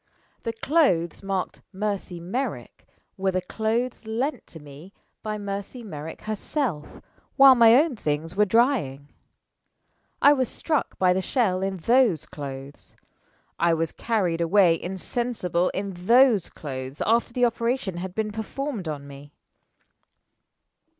The clothes marked 'Mercy Merrick' were the clothes lent to me by Mercy Merrick herself while my own things were drying. I was struck by the shell in those clothes. I was carried away insensible in those clothes after the operation had been performed on me."